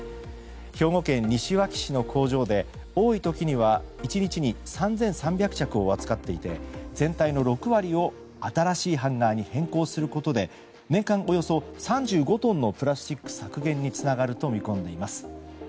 兵庫県西脇市の工場で多い時には１日に３３００着を扱っていて全体の６割を新しいハンガーに変更することで年間およそ３５トンのプラスチック削減につながると見込んでいます。